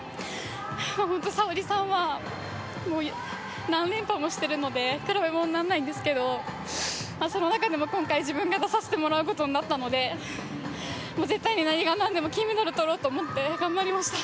沙保里さんは何連覇もしているので比べ物にならないですけどその中でも今回、自分が出させてもらうことになったので絶対に何が何でも金メダルとろうと思って頑張りました。